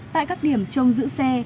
tại các điểm trong giữ xe